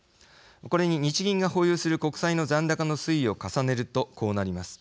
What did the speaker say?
これに日銀が保有する国債の残高の推移を重ねると、こうなります。